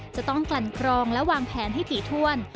จะต้องกลั่นครองและวางแผนให้ถี่ถ้วน